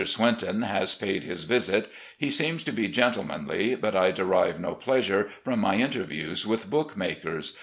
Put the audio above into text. Swinton has paid his visit. He seemed to be gentlemanly, but I derive no pleasure from my interviews with book makers.